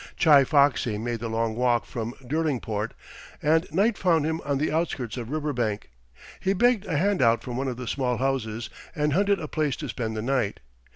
Chi Foxy made the long walk from Derlingport, and night found him on the outskirts of Riverbank. He begged a hand out from one of the small houses and hunted a place to spend the night.